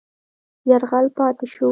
یرغل پاتې شو.